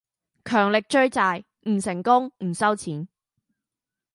強力追債，唔成功唔收錢!